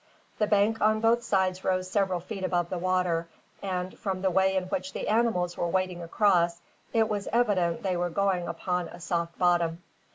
The bank on both sides rose several feet above the water; and, from the way in which the animals were wading across, it was evident they were going upon a soft bottom.